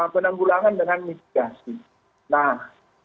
penambulangan dengan mitigasi